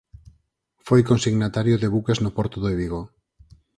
Foi consignatario de buques no porto de Vigo.